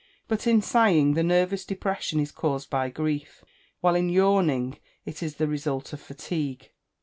But in sighing, the nervous depression is caused by grief; while in yawning, it is the result of fatigue.